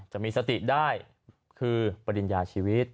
จะมีสติได้คือปริญญาชีวิต